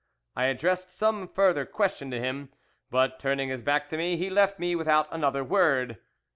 I addressed some further question to him, but, turning his back on me, he left me without another word.